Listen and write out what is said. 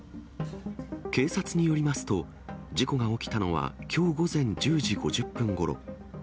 警察によりますと、事故が起きたのはきょう午前１０時５０分ごろ。